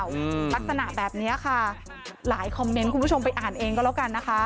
อืมลักษณะแบบเนี้ยค่ะหลายคอมเมนต์คุณผู้ชมไปอ่านเองก็แล้วกันนะคะ